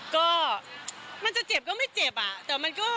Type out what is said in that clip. ก็มันจะเจ็บก็ไม่เจ็บอ่ะแต่มันก็